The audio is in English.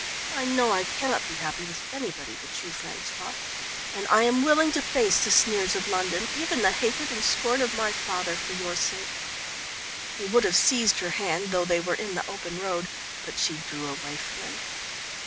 "I know I cannot be happy with anybody but you, François, and I am willing to face the sneers of London, even the hatred and scorn of my father, for your sake." He would have seized her hand, though they were in the open road, but she drew away from him.